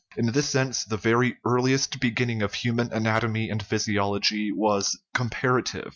In this sense the very earliest beginning of human anatomy and physiology was "comparative."